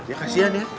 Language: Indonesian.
ya kasihan ya